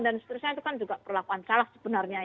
dan seterusnya itu kan juga perlakuan salah sebenarnya